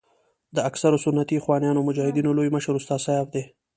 د اکثرو سنتي اخوانیانو او مجاهدینو لوی مشر استاد سیاف دی.